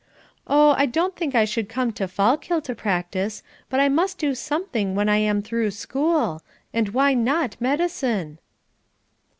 "Oh, I don't think I should come to Fallkill to practice, but I must do something when I am through school; and why not medicine?"